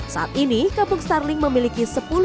saat ini kampung starling memiliki sepuluh agen